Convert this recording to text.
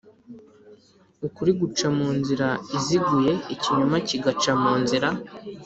ukuri guca mu nzira iziguye ikinyoma kigaca mu nzira